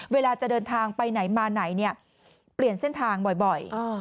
เวลาจะเดินทางไปไหนมาไหนเนี่ยเปลี่ยนเส้นทางบ่อย